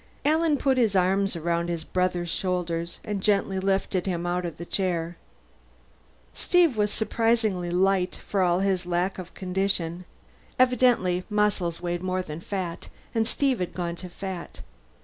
Alan put his arms around his brother's shoulders and gently lifted him out of the chair; Steve was surprisingly light, for all his lack of condition. Evidently muscle weighed more than fat, and Steve had gone to fat.